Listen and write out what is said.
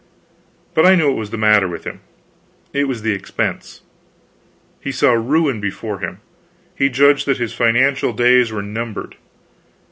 But I knew what was the matter with him; it was the expense. He saw ruin before him; he judged that his financial days were numbered.